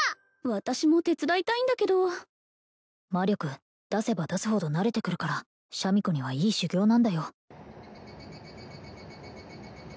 私も手伝いたいんだけど魔力出せば出すほど慣れてくるからシャミ子にはいい修業なんだよ